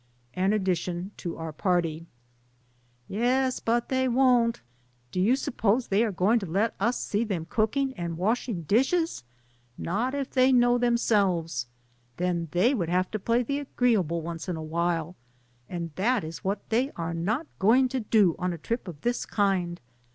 AN ADDITION TO OUR PARTY. "Yes, but they won't ; do you suppose they are going to let us see them cooking and washing dishes? Not if they know them selves. Then they would have to play the 14 DAYS ON THE ROAD. agreeable once in a while, and that is what they are not going to do on a trip of this kind.